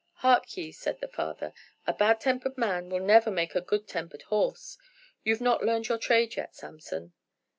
'Hark ye,' said the father, 'a bad tempered man will never make a good tempered horse. You've not learned your trade yet, Samson.'